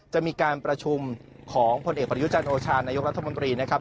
จะมีการประชุมของผลเอกประยุจันทร์โอชานายกรัฐมนตรีนะครับ